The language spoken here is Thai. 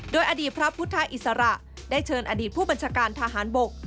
โดยอดีตพระพุทธอิสระได้เชิญอดีตผู้บัญชาการทหารบก